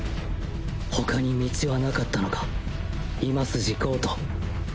他に道はなかったのか今筋強斗。